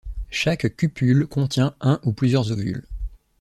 Chaque cupule contient un ou plusieurs ovules.